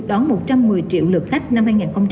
đón một trăm một mươi triệu lượt khách năm hai nghìn hai mươi